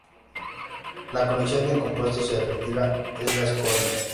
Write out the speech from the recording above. La colección de compuestos que se retira es la escoria.